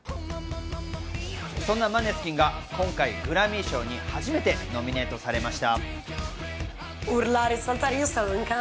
そんなマネスキンが今回、グラミー賞に初めてノミネートされました。